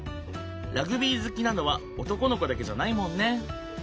ラグビー好きなのは男の子だけじゃないもんね。